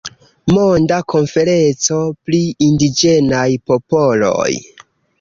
Monda Konferenco pri Indiĝenaj Popoloj.